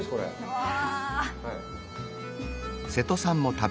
うわ。